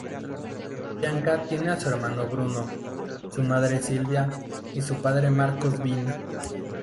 Bianca tiene a su hermano Bruno; su madre Silvia; y, su padre Marcos Bin.